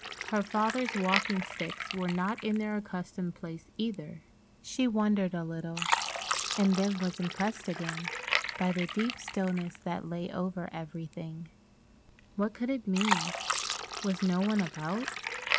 Her father's walking sticks were not in their accustomed place either. She wondered a little, and then was impressed again by the deep stillness that lay over everything. What could it mean? Was no one about?